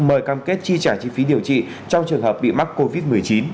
mời cam kết chi trả chi phí điều trị trong trường hợp bị mắc covid một mươi chín